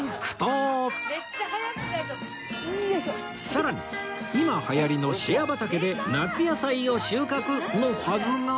さらに今流行りのシェア畑で夏野菜を収穫！のはずが